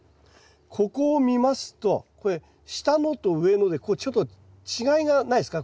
ここを見ますとこれ下のと上のでちょっと違いがないですか？